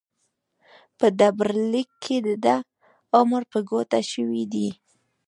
په ډبرلیک کې دده عمر په ګوته شوی دی.